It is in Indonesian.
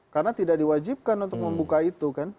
karena tidak diwajibkan untuk membuka itu kan